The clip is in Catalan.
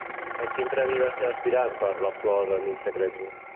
A quin premi va ser aspirant per La flor de mi secreto?